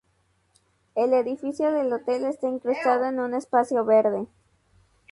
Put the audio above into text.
El edificio del hotel está incrustado en un espacio verde.